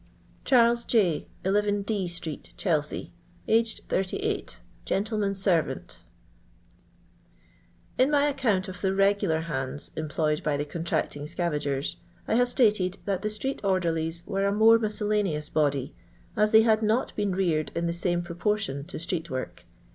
' "Chas. J , 11, D ^ street, ChUsea. Aged 38. Chntleman's serrant" In my account of the "itgular bands" em ployed by the contracting scavagers, I have stated that the street orderlies jnrere a more miscellaneous body, as they had not been reared in the same proportion to street work.